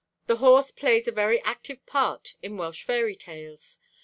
The horse plays a very active part in Welsh fairy tales.